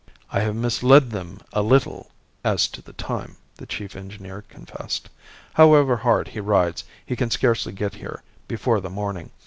"I have misled them a little as to the time," the chief engineer confessed. "However hard he rides, he can scarcely get here before the morning.